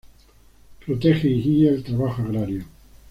Protege y guía el trabajo agrario.